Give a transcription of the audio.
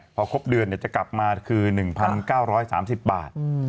พอครบเดือนจะกลับมาคือ๑๙๓๐บาท